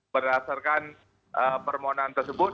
berdasarkan permohonan tersebut